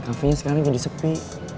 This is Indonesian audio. kafe nya sekarang jadi sepi